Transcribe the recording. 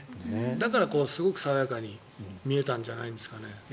だから、すごく爽やかに見えたんじゃないですかね。